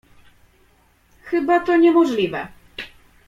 "Chyba to niemożliwe."